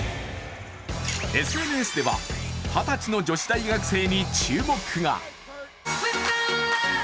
ＳＮＳでは二十歳の女子大学生に注目が。